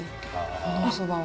このおそばは。